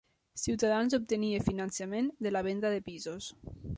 Ciutadans obtenia finançament de la venda de pisos